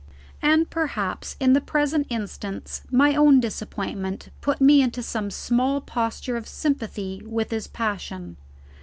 And perhaps in the present instance my own disappointment put me into some small posture of sympathy with his passion.